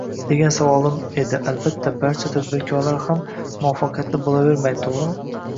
degan savolim edi Albatta, barcha tadbirkorlar ham muvaffaqiyatli boʻlavermaydi, toʻgʻrimi?